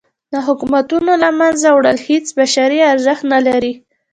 د حکومتونو له منځه وړل هیڅ بشري ارزښت نه لري.